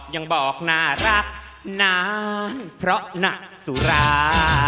ยังบอกน่ารักนานเพราะหนักสุรา